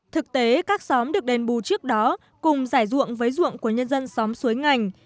thực tế các xóm được đền bù trước đó cùng giải ruộng với ruộng của nhân dân xóm suối ngành